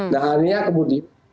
nah ini kemudian